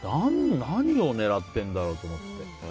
何を狙っているんだろうと思って。